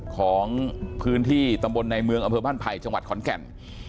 ของพื้นที่ตำบลในเมืองอำเภอบ้านไผ่จังหวัดขอนแก่น